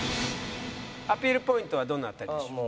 アピールポイントはどの辺りでしょう？